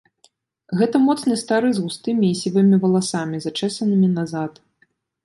Гэта моцны стары, з густымі і сівымі валасамі, зачэсанымі назад.